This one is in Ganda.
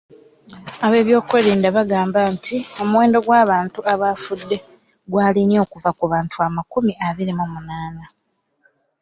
Ab’ebyokwerinda bagamba nti, omuwendo gw’abantu abaafudde gwalinnye okuva ku bantu amakumi abiri mu munaana.